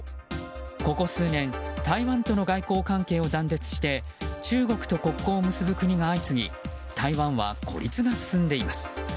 ここ数年台湾との外交関係を断絶して中国と国交を結ぶ国が相次ぎ台湾は孤立が進んでいます。